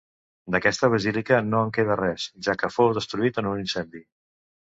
D'aquesta basílica no en queda res, ja que fou destruït en un incendi.